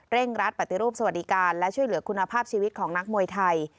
รัดปฏิรูปสวัสดิการและช่วยเหลือคุณภาพชีวิตของนักมวยไทย